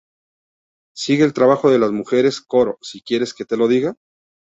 Sigue el trabajo de las mujeres "Coro: Si quieres que te lo diga".